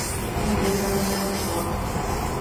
É ndo zam é ne abua.